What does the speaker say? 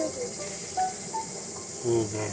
いいね。